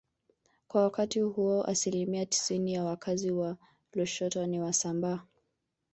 Kwa wakati huo asilimia tisini ya wakazi wa Lushoto ni Wasambaa